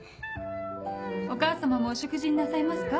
お母様もお食事になさいますか？